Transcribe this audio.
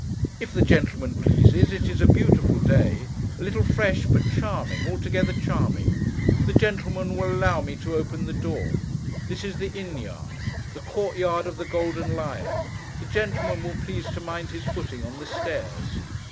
'If the gentleman pleases. It is a beautiful day. A little fresh, but charming; altogether charming. The gentleman will allow me to open the door. This is the Inn Yard. The court yard of the Golden Lion! The gentleman will please to mind his footing on the stairs.